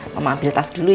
mama ambil tas dulu ya